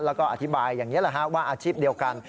แล้วก็อธิบายอย่างนี้แหละฮะว่าอาชีพเดียวกัน